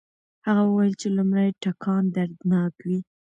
هغه وویل چې لومړی ټکان دردناک وي.